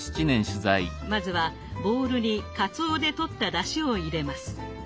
まずはボウルにかつおで取っただしを入れます。